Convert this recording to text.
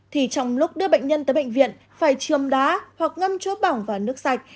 thì trong lúc đưa bệnh nhân tới bệnh viện phải chôm đá hoặc ngâm chô bỏng vào nước sạch